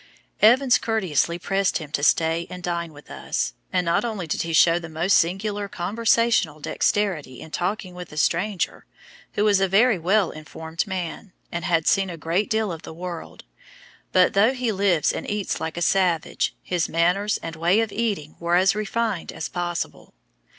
Evans courteously pressed him to stay and dine with us, and not only did he show the most singular conversational dexterity in talking with the stranger, who was a very well informed man, and had seen a great deal of the world, but, though he lives and eats like a savage, his manners and way of eating were as refined as possible.